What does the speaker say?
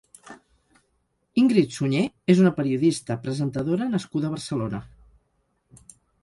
Ingrid Sunyer és una periodista, Presentadora nascuda a Barcelona.